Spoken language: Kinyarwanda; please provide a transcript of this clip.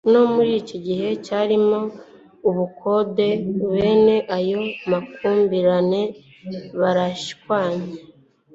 no mu gice cyarimo ubukonde, bene ayo makimbirane barashwanye